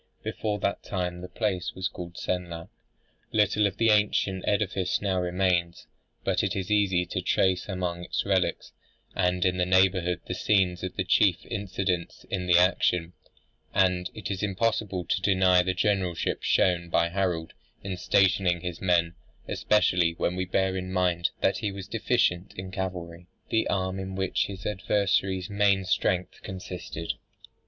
Before that time the place was called Senlac. Little of the ancient edifice now remains: but it is easy to trace among its relics and in the neighbourhood the scenes of the chief incidents in the action; and it is impossible to deny the generalship shown by Harold in stationing his men; especially when we bear in mind that he was deficient in cavalry, the arm in which his adversary's main strength consisted.